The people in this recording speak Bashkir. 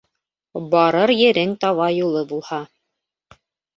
Барыр ерең таба юлы булһа